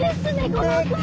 この子！